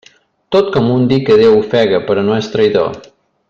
Tot com un dir que Déu ofega, però no és traïdor.